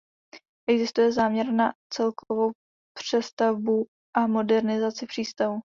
Existuje záměr na celkovou přestavbu a modernizaci přístavu.